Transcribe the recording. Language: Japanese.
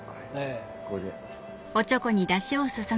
これで。